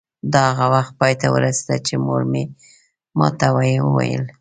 دا هغه وخت پای ته ورسېده چې مور مې ما ته وویل.